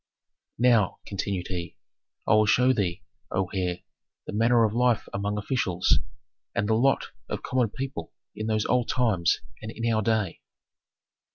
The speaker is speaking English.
"Now," continued he, "I will show thee, O heir, the manner of life among officials, and the lot of common people in those old times and in our day."